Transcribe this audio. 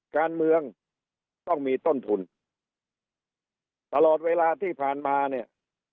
การเมืองต้องมีต้นทุนตลอดเวลาที่ผ่านมาเนี่ย